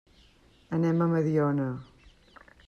Anem a Mediona.